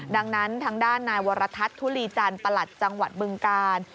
ดังนั้นทางด้านนายวรทัศน์ทุลีจันทร์ประหลัดจังหวัดบึงกาล